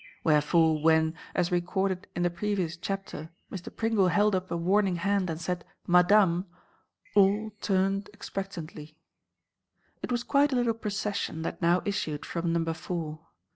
Wherefore, when, as recorded in the previous chapter, Mr. Pringle held up a warning hand and said "Madame!" all turned expectantly. It was quite a little procession that now issued from Number Four.